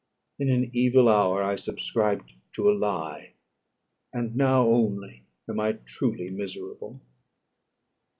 In an evil hour I subscribed to a lie; and now only am I truly miserable."